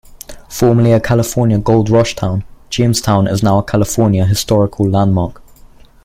Formerly a California Gold Rush town, Jamestown is now a California Historical Landmark.